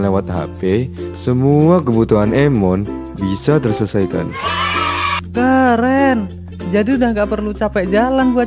lewat hp semua kebutuhan emon bisa terselesaikan keren jadi udah nggak perlu capek jalan buat